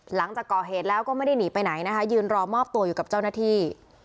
หลังจากก่อเหตุแล้วก็ไม่ได้หนีไปไหนนะคะยืนรอมอบตัวอยู่กับเจ้าหน้าที่